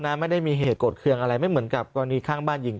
ไม่ได้มีเหตุโกรธเครื่องอะไรไม่เหมือนกับกรณีข้างบ้านยิง